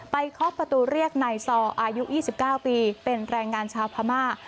เคาะประตูเรียกนายซออายุ๒๙ปีเป็นแรงงานชาวพม่า